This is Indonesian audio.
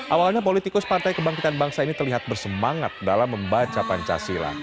awalnya politikus partai kebangkitan bangsa ini terlihat bersemangat dalam membaca pancasila